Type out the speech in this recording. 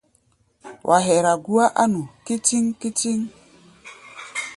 Wa hɛra gúá á nu kítíŋ-kítíŋ.